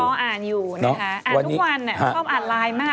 อ่านอยู่นะคะอ่านทุกวันชอบอ่านไลน์มาก